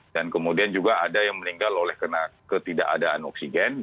dan kemudian juga ada yang meninggal oleh kena ketidakadaan oksigen